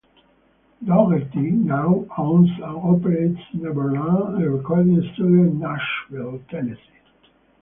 Daugherty now owns and operates Neverland, a recording studio in Nashville, Tennessee.